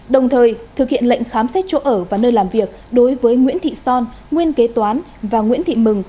đồng thời thực hiện lệnh khám xét chỗ ở và nơi làm việc đối với nguyễn thị son nguyên kế toán và nguyễn thị mừng